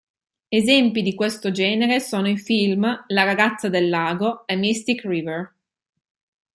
Esempi di questo genere sono i film "La ragazza del lago" e "Mystic River".